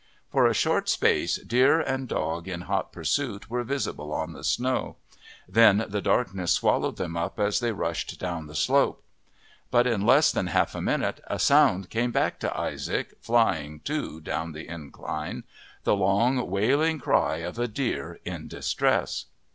For a short space deer and dog in hot pursuit were visible on the snow, then the darkness swallowed them up as they rushed down the slope; but in less than half a minute a sound came back to Isaac, flying, too, down the incline the long, wailing cry of a deer in distress.